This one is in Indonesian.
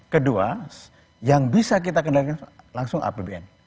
kedua yang bisa kita kendalikan langsung apbn